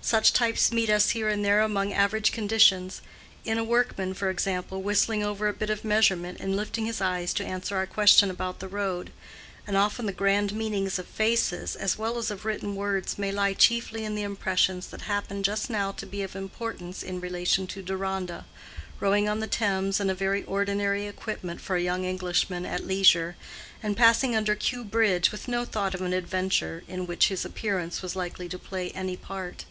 Such types meet us here and there among average conditions; in a workman, for example, whistling over a bit of measurement and lifting his eyes to answer our question about the road. And often the grand meanings of faces as well as of written words may lie chiefly in the impressions that happen just now to be of importance in relation to Deronda, rowing on the Thames in a very ordinary equipment for a young Englishman at leisure, and passing under Kew Bridge with no thought of an adventure in which his appearance was likely to play any part.